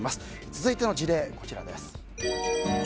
続いての事例は、こちらです。